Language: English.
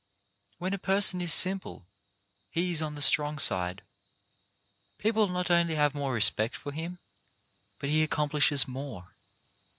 When a person is simple, he is on the strong side. People not only have more respect for him, but he accomplishes more.